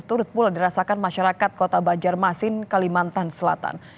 turut pula dirasakan masyarakat kota banjarmasin kalimantan selatan